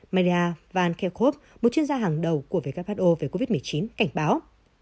maria van kerkhove một chuyên gia hàng đầu của who về covid một mươi chín cảnh báo